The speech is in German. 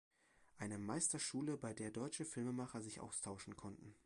Eine Meisterschule, bei der deutsche Filmemacher sich austauschen konnten.